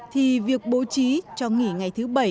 thì việc bố trí cho nghỉ ngày thứ bảy